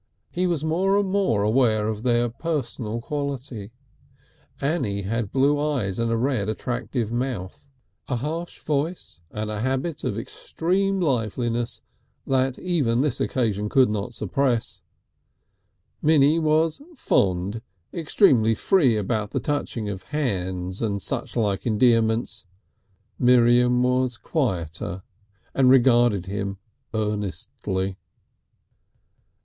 He was more and more aware of their personal quality. Annie had blue eyes and a red, attractive mouth, a harsh voice and a habit of extreme liveliness that even this occasion could not suppress; Minnie was fond, extremely free about the touching of hands and suchlike endearments; Miriam was quieter and regarded him earnestly.